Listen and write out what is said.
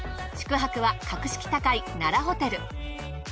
宿泊は格式高い奈良ホテル。